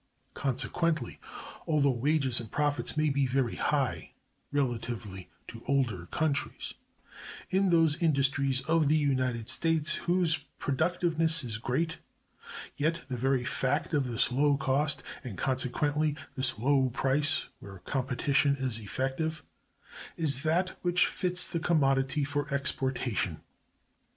Consequently, although wages and profits may be very high (relatively to older countries) in those industries of the United States whose productiveness is great, yet the very fact of this low cost, and consequently this low price (where competition is effective), is that which fits the commodity for exportation.